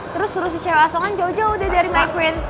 terus suruh si cewe asongan jauh jauh deh dari my prince